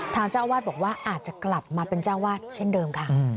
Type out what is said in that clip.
ทางเจ้าอาวาสบอกว่าอาจจะกลับมาเป็นเจ้าวาดเช่นเดิมค่ะ